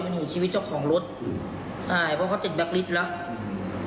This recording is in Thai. มันเป็นหนูชีวิตเจ้าของรถอืมใช่เพราะเขาเต็ดแบ็คลิสต์แล้ว